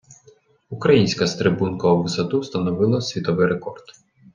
Українська стрибунка у висоту встановила світовий рекорд.